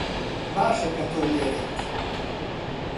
باشە کە تۆ لێرەیت.